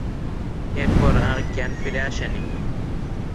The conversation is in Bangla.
এরপর আর জ্ঞান ফিরে আসেনি।